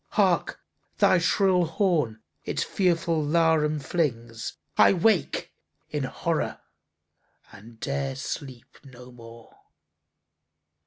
Hark, thy shrill horn its fearful laram flings! —I wake in horror, and 'dare sleep no more!